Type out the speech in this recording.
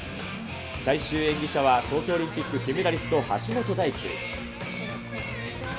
最終演技者は、東京オリンピック金メダリスト、橋本大輝。